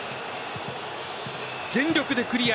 全力でクリア。